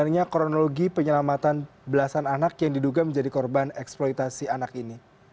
bagaimana kronologi penyelamatan belasan anak yang diduga menjadi korban eksploitasi anak ini